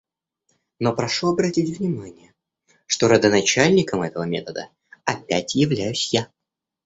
Но прошу обратить внимание, что родоначальником этого метода опять являюсь я.